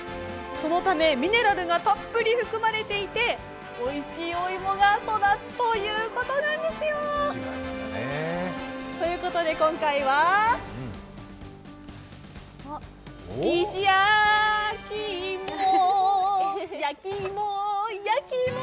そのためミネラルがたっぷり含まれていておいしいお芋が育つということなんですよ。ということで今回は、石焼き芋、焼き芋、焼き芋！